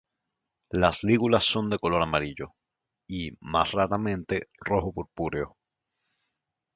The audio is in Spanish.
Las lígulas son de color amarillo y, más raramente rojo-purpúreo.